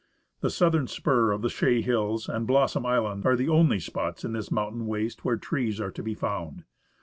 The southern spur of the Chaix Hills and Blossom Island are the only spots in this mountain waste where trees are to be found.